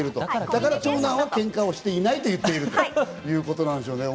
だから長男は喧嘩をしていないと言っているということでしょうね。